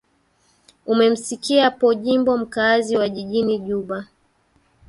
umemsikia po jimbo mkaazi wa jijini juba